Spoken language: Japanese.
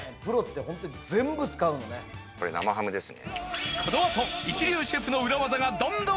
これ生ハムですね。